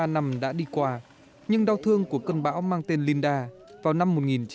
hai mươi ba năm đã đi qua nhưng đau thương của cơn bão mang tên linda vào năm một nghìn chín trăm chín mươi bảy